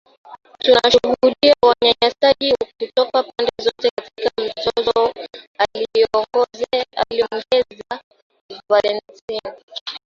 Tunashuhudia unyanyasaji kutoka pande zote katika mzozo aliongeza Valentine.